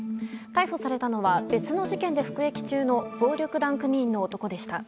逮捕されたのは別の事件で服役中の暴力団組員の男でした。